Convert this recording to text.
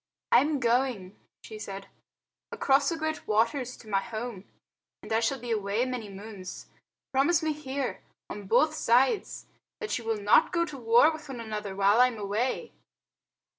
"I am going," she said, "across the Great Waters to my home, and I shall be away many moons. Promise me here, on both sides, that you will not go to war with one another while I am away."